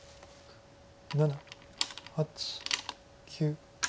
７８９。